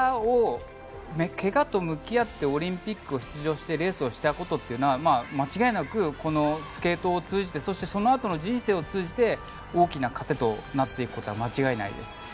怪我と向き合ってオリンピックに出場してレースをしたことは間違いなくこのスケートを通じてそして、そのあとの人生を通じて大きな糧となっていくことは間違いないです。